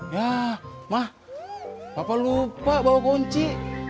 ya mah papa lupa bawa kunci